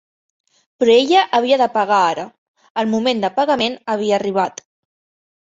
Però ella havia de pagar ara; el moment de pagament havia arribat.